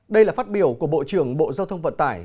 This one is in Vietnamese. đây là phát biểu của bộ trưởng bộ giao thông vận tải